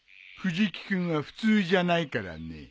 藤木君は普通じゃないからね。